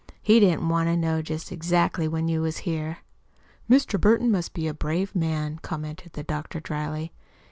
He didn't want to know jest exactly when you was here." "Mr. Burton must be a brave man," commented the doctor dryly.